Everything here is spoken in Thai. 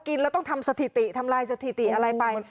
กินแล้วต้องทำสถิติทำลายสถิติอะไรไป